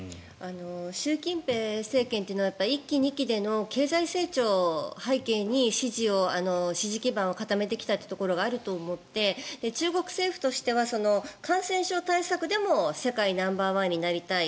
習近平政権というのは１期、２期での経済成長を背景に支持基盤を固めてきたというところがあると思って、中国政府としては感染症対策でも世界ナンバーワンになりたい。